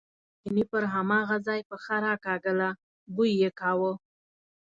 خو چیني پر هماغه ځای پښه راکاږله، بوی یې کاوه.